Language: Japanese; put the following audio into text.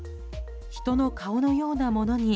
人の顔のようなものに。